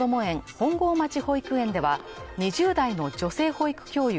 本郷町保育園では２０代の女性保育教諭